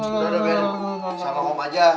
kalau neng makan aku mau makan